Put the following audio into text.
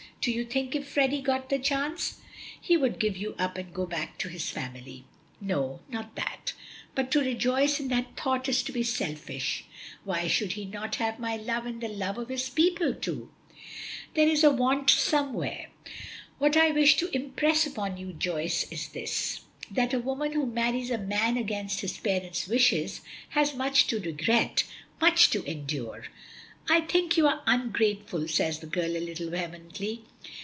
Do you think if Freddy got the chance, he would give you up and go back to his family?" "No not that. But to rejoice in that thought is to be selfish. Why should he not have my love and the love of his people too? There is a want somewhere. What I wish to impress upon you, Joyce, is this, that a woman who marries a man against his parents' wishes has much to regret, much to endure." "I think you are ungrateful," says the girl a little vehemently.